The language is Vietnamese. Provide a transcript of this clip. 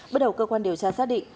bắt đầu cơ quan điều tra xác định